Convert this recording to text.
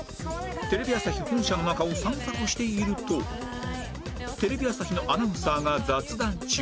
テレビ朝日本社の中を散策しているとテレビ朝日のアナウンサーが雑談中